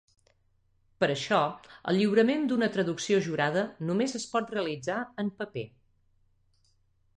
Per això, el lliurament d'una traducció jurada només es pot realitzar en paper.